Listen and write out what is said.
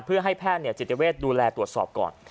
เพื่อให้แพทย์จิตเวทดูแลตรวจสอบก่อน